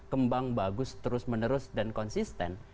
kembang bagus terus menerus dan konsisten